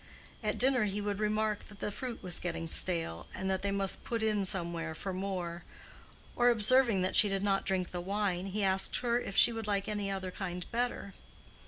At dinner he would remark that the fruit was getting stale, and they must put in somewhere for more; or, observing that she did not drink the wine, he asked her if she would like any other kind better.